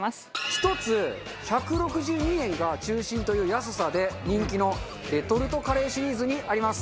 １つ１６２円が中心という安さで人気のレトルトカレーシリーズにあります。